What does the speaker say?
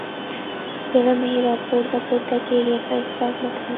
زړه مې راپورته پورته کېږي؛ ښه احساس نه کوم.